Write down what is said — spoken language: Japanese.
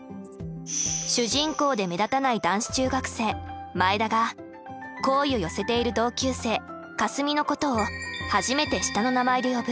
主人公で目立たない男子中学生前田が好意を寄せている同級生かすみのことを初めて下の名前で呼ぶ。